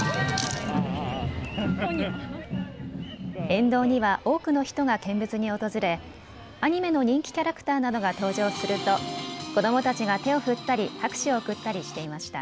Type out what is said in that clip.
沿道には多くの人が見物に訪れアニメの人気キャラクターなどが登場すると子どもたちが手を振ったり拍手を送ったりしていました。